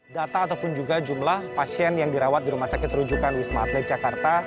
data ataupun juga jumlah pasien yang dirawat di rumah sakit rujukan wisma atlet jakarta